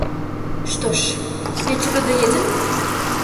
Что ж, к вечеру доедем?